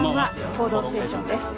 「報道ステーション」です。